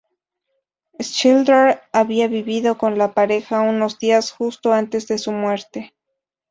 Schindler había vivido con la pareja unos días justo antes de su muerte.